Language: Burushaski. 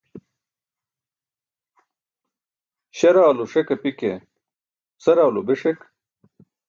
Śaraa lo ṣek api ke sara lo be ṣek.